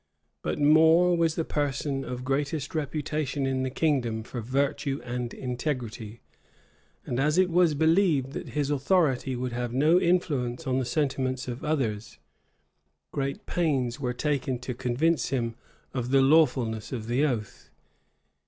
But More was the person of greatest reputation in the kingdom for virtue and integrity; and as it was believed that his authority would have influence on the sentiments of others, great pains were taken to convince him of the lawfulness of the oath.